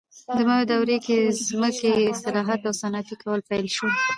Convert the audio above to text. د ماو دورې کې ځمکې اصلاحات او صنعتي کول پیل شول.